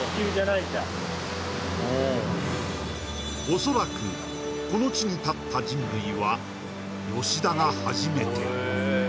恐らくこの地に立った人類は吉田が初めて。